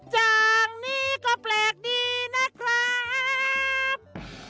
อย่างนี้ก็แปลกดีนะครับ